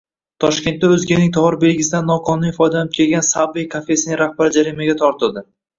Toshkentda o‘zganing tovar belgisidan noqonuniy foydalanib kelgan Subway kafesining rahbari jarimaga tortildi